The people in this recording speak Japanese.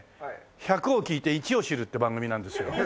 「百を聞いて一を知る」って番組なんですよ。